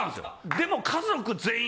でも家族全員。